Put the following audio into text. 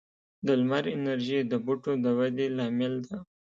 د لمر انرژي د بوټو د ودې لامل ده.